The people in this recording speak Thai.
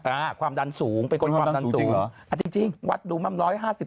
อ่าความดันสูงเป็นคนความดันสูงอ่าจริงจริงวัดดูมัมร้อยห้าสิบ